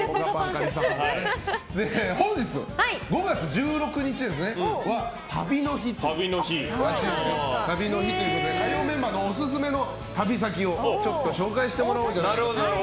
本日、５月１６日は旅の日ということで火曜メンバーのオススメの旅先を紹介してもらおうじゃないかと。